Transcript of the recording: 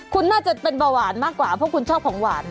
คุณน่าจะเป็นเบาหวานมากกว่าเพราะคุณชอบของหวาน